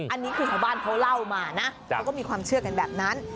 อันนี้คือขวบารไถาเต้าเหล้ามานะมันก็มีความเชื่อกันแบบนั้น